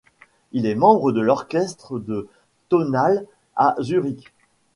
Il est membre de l’orchestre de Tonhalle à Zurich.